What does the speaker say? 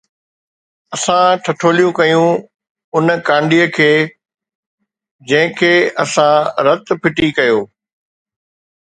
اسان ٺٺوليون ڪيون اُن ڪانڊي کي، جنهن تي اسان رت ڦٽي ڪيو